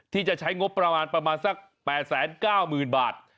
ที่จะใช้งบประมาณประมาณสัก๘๙๐๐๐บาท